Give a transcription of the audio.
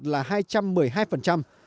nhất là hai trăm mười hai phần trăm